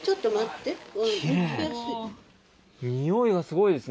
匂いがすごいですね